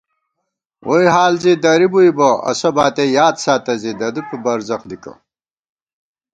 ووئی حال زی درِبُوئی بہ اسہ باتِیَہ یاد ساتہ زی ددُوپی برزَخ دِکہ